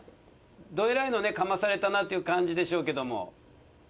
どえらいのねかまされたなっていう感じでしょうけども。